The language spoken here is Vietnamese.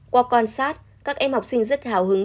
qua quan sát các em học sinh rất hào hứng